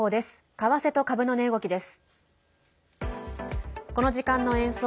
為替と株の値動きです。